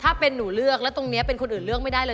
ถ้าเป็นหนูเลือกแล้วตรงนี้เป็นคนอื่นเลือกไม่ได้เลย